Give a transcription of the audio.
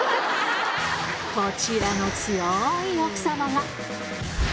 こちらの強ーい奥様が。